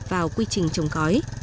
vào quy trình trồng gói